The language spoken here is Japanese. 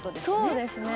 そうですね。